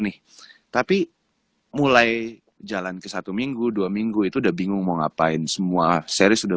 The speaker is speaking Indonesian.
nih tapi mulai jalan ke satu minggu dua minggu itu udah bingung mau ngapain semua seri sudah